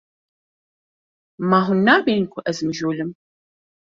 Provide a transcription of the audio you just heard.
Ma hûn nabînin ku ez mijûl im?